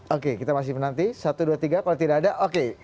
oke kita masih menanti satu dua tiga kalau tidak ada oke